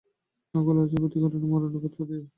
আকুল আঁচলে পথিকচরণে মরণের ফাঁদ ফাঁদিয়ো।